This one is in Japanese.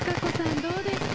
どうですか。